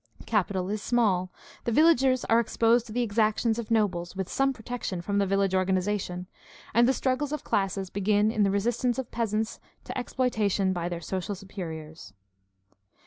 Capital is small. The villagers are exposed to the exactions of nobles, with some protection from the village organization; and the struggles of classes begin in the resistance of peasants to exploitation by their social superiors.